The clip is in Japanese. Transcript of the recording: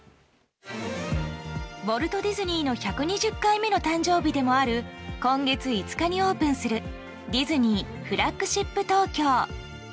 ウォルト・ディズニーの１２０回目の誕生日でもある今月５日にオープンするディズニーフラッグシップ東京。